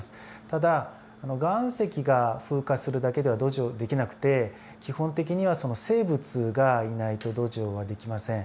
ただ岩石が風化するだけでは土壌出来なくて基本的には生物がいないと土壌は出来ません。